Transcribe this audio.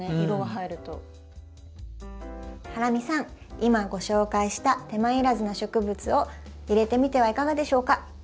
今ご紹介した手間いらずな植物を入れてみてはいかがでしょうか？